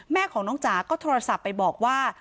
แม่ของน้องจ๋าก็โทรศัพท์ไปบอกว่า